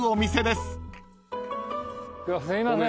すいません